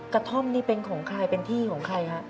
กระท่อมนี่เป็นของใครเป็นที่ของใครฮะ